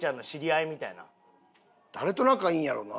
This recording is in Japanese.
誰と仲いいんやろうな？